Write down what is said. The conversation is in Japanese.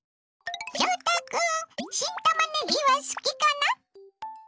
翔太君新たまねぎは好きかな？